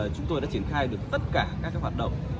chúng tôi đã triển khai được tất cả các hoạt động